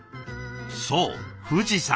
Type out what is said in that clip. そう富士山。